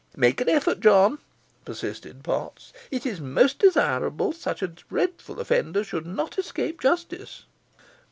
"Make an effort, John," persisted Potts; "it is most desirable such a dreadful offender should not escape justice."